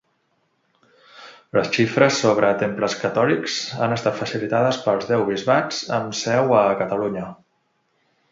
Les xifres sobre temples catòlics han estat facilitades pels deu bisbats amb seu a Catalunya.